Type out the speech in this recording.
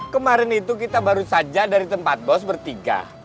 kemarin itu kita baru saja dari tempat bos bertiga